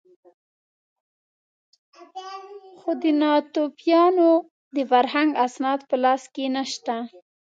خو د ناتوفیانو د فرهنګ اسناد په لاس کې نه شته.